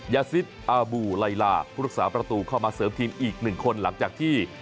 ยาซิสอาบูไลลาผู้รักษาประตูเข้ามาเสริมทีมอีกหนึ่งคนหลังจากที่